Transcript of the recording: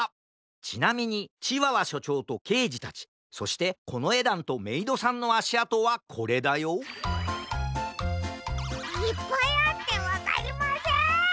ちなみにチワワしょちょうとけいじたちそしてこのえだんとメイドさんのあしあとはこれだよいっぱいあってわかりません！